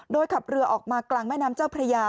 โดยขับเรือออกมากลางแม่น้ำเจ้าพระยา